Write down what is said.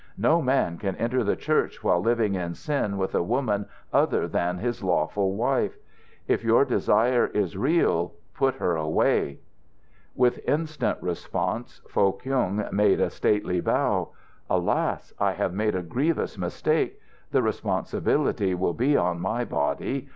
"No man can enter the church while living in sin with a woman other than his lawful wife. If your desire is real, put her away." With instant response, Foh Kyung made a stately bow. "Alas! I have made a grievous mistake. The responsibility will be on my body.